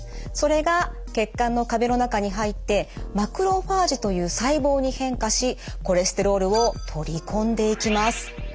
それが血管の壁の中に入ってマクロファージという細胞に変化しコレステロールを取り込んでいきます。